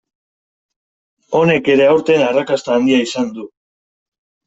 Honek ere aurten arrakasta handia izan du.